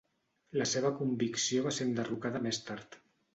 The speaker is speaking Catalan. La seva convicció va ser enderrocada més tard.